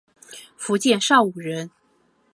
福建邵武人。